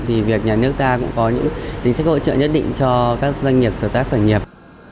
thì việc nhà nước ta cũng có những chính sách hỗ trợ nhất định cho các doanh nghiệp sáng tác khởi nghiệp